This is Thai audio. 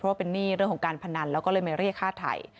ว่าเป็นหนี้เรื่องของการพนันแล้วก็เลยมาเรียกฆ่าไทย